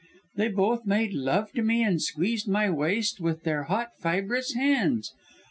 They both made love to me, and squeezed my waist with their hot, fibrous hands.